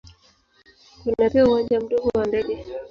Kuna pia uwanja mdogo wa ndege.